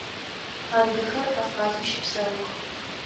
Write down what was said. Адыгэхэр Кавказым щэпсэух.